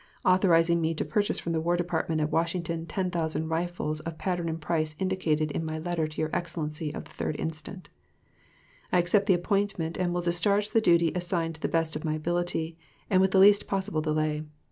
authorizing me to purchase from the War Department at Washington ten thousand rifles of pattern and price indicated in my letter to your Excellency of the 3d inst. I accept the appointment and will discharge the duty assigned to the best of my ability and with the least possible delay.